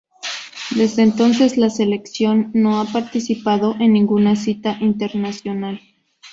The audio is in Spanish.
Desde entonces la selección no ha participado en ninguna cita internacional.